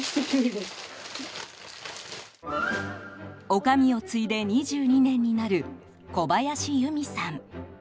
女将を継いで２２年になる小林由美さん。